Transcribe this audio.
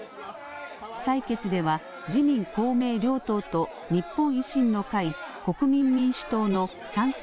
採決では自民、公明両党と日本維新の会、国民民主党の賛成